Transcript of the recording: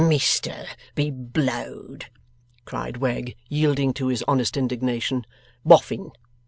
'Mister be blowed!' cried Wegg, yielding to his honest indignation. 'Boffin.